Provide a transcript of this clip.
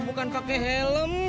bukan pakai helm